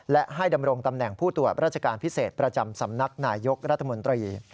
และให้ดำรงตำแหน่งผู้ตรวจราชการพิเศษประจำสำนักนายยกรัฐมนตรี